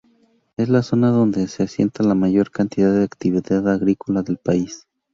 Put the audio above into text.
Es la zona donde se asienta la mayor cantidad de actividad agrícola del país.